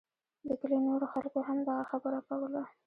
د کلي نورو خلکو هم دغه خبره کوله.